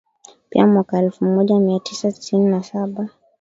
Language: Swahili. Pia mwaka wa elfu moja mia tisa tisini na saba